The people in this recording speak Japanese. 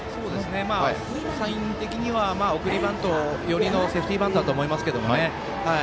サイン的には送りバントよりのセーフティーバントだと思います。